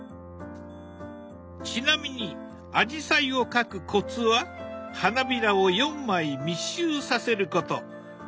ちなみにあじさいを描くコツは花びらを４枚密集させること。